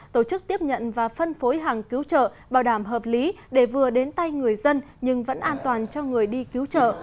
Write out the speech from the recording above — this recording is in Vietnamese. tổ chức tiếp nhận và phân phối hàng cứu trợ bảo đảm hợp lý để vừa đến tay người dân nhưng vẫn an toàn cho người đi cứu trợ